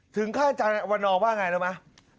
ถึงข้างอาจารย์วันนอลว่าอย่างไรรู้ไหม